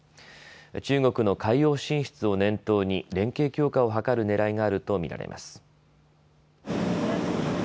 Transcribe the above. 中国の海洋進出を念頭に連携強化を図るねらいがあると見られます。